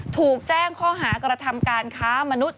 ถูกแจ้งข้อหากระทำการค้ามนุษย